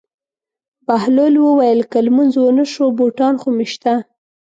بهلول وویل: که لمونځ ونه شو بوټان خو مې شته.